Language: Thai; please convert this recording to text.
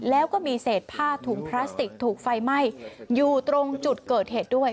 แล้วก็มีเศษผ้าถุงพลาสติกถูกไฟไหม้อยู่ตรงจุดเกิดเหตุด้วย